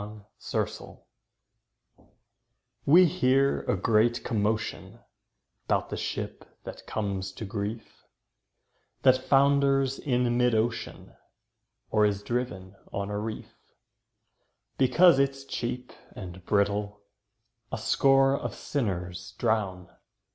0 Autoplay We hear a great commotion 'Bout the ship that comes to grief, That founders in mid ocean, Or is driven on a reef; Because it's cheap and brittle A score of sinners drown.